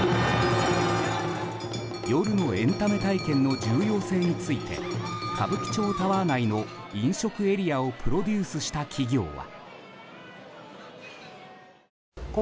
夜のエンタメ体験の重要性について歌舞伎町タワー内の飲食エリアをプロデュースした企業は。